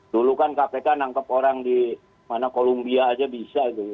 dulu kan kpk nangkep orang di mana kolumbia aja bisa gitu